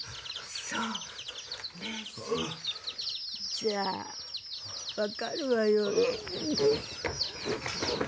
じゃあ分かるわよね。